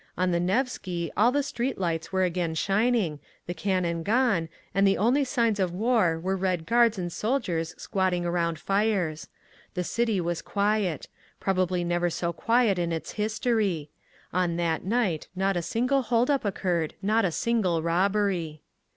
On the Nevsky all the street lights were again shining, the cannon gone, and the only signs of war were Red Guards and soldiers squatting around fires. The city was quiet—probably never so quiet in its history; on that night not a single hold up occurred, not a single robbery.